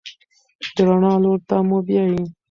د رڼا لور ته مو بیايي.